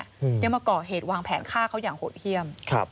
ยังมาก่อเหตุวางแผนฆ่าเขาอย่างโหดเยี่ยมครับ